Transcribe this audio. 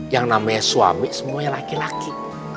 yang namanya suami semuanya laki laki